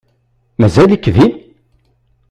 Mazal-ik din?